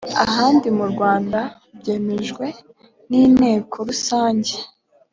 ahandi mu rwanda byemejwe n inteko rusange